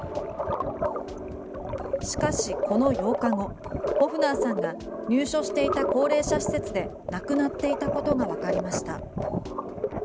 しかし、この８日後ホフナーさんが入所していた高齢者施設で亡くなっていたことがわかりました。